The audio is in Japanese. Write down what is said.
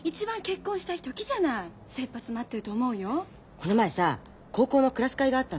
この前さ高校のクラス会があったのよ。